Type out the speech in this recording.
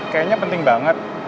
kayanya penting banget